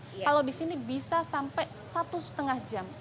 kalau di sini bisa sampai satu setengah jam